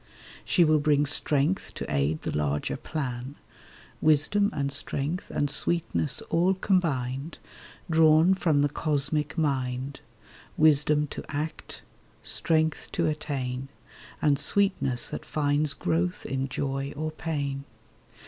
She will bring strength to aid the larger Plan, Wisdom and strength and sweetness all combined, Drawn from the Cosmic Mind— Wisdom to act, strength to attain, And sweetness that finds growth in joy or pain.